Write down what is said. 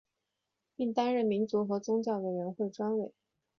并担任民族和宗教委员会专委。